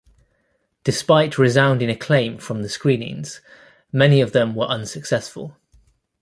Despite resounding acclaim from the screenings, many of them were unsuccessful.